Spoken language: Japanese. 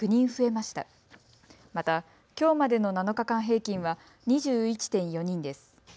また、きょうまでの７日間平均は２１．４人です。